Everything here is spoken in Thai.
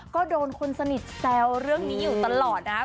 ก็โดนคนสนิทแซวเรื่องนี้อยู่ตลอดนะครับ